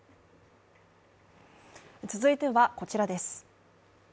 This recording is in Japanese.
続いてはこちらです。